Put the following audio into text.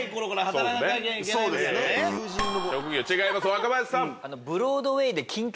若林さん。